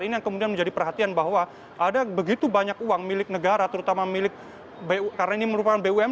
ini yang kemudian menjadi perhatian bahwa ada begitu banyak uang milik negara terutama milik bu